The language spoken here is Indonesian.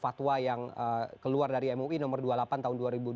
fatwa yang keluar dari mui nomor dua puluh delapan tahun dua ribu dua puluh